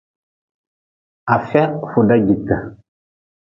Afia fuda jite.